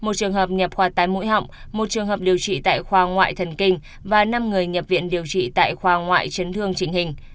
một trường hợp nhập khoa tai mũi họng một trường hợp điều trị tại khoa ngoại thần kinh và năm người nhập viện điều trị tại khoa ngoại chấn thương trình hình